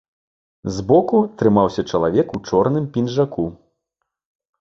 Збоку трымаўся чалавек у чорным пінжаку.